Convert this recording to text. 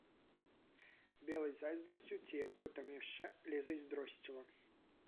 Белай зайздрасцю ці якой там яшчэ, але зайздросціла.